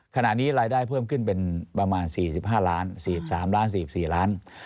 ขณะนี้รายได้เพิ่มขึ้นเป็นประมาณ๔๕ล้าน๔๓ล้าน๔๔ล้าน